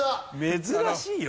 珍しいよ。